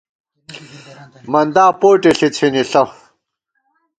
مندا پوٹےݪی څھِنِݪہ